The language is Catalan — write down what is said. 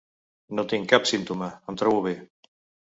No tinc cap símptoma, em trobo bé.